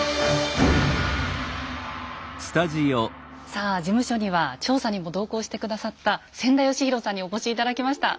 さあ事務所には調査にも同行して下さった千田嘉博さんにお越し頂きました。